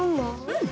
うん！